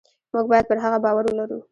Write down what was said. موږ باید پر هغه باور ولرو.